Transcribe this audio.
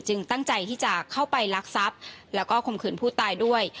ตั้งใจที่จะเข้าไปลักทรัพย์แล้วก็ข่มขืนผู้ตายด้วย